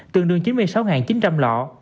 tương đương chín mươi sáu chín trăm linh lọ